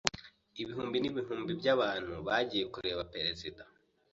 Ibihumbi n’ibihumbi by'abantu bagiye kureba Perezida.